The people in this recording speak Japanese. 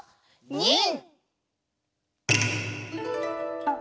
ニン！